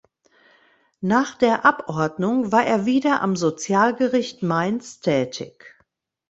Nach der Abordnung war er wieder am Sozialgericht Mainz tätig.